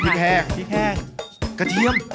พริกแฮงกระเทียม